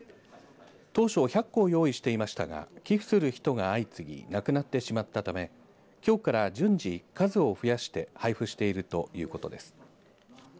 当初１００個を用意していましたが寄付する人が相次ぎ、なくなってしまったため、きょうから順次数を増やして配布しているということです。